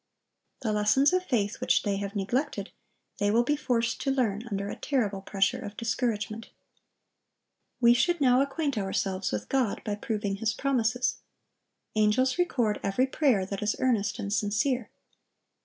The lessons of faith which they have neglected, they will be forced to learn under a terrible pressure of discouragement. We should now acquaint ourselves with God by proving His promises. Angels record every prayer that is earnest and sincere.